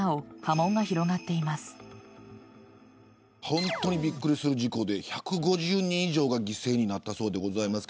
本当にびっくりする事故で１５０人以上が犠牲になったそうです。